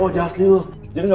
kok lo gak ada maksud apa apa